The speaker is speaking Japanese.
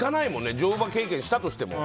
乗馬経験したとしても。